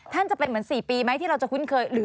ท่านจะเป็นเหมือน๔ปีไหมที่เราจะคุ้นเคย